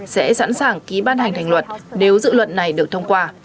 sẽ sẵn sàng ký ban hành thành luật nếu dự luật này được thông qua